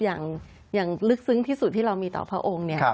อย่างลึกซึ้งที่สุดที่เรามีต่อพระองค์เนี่ย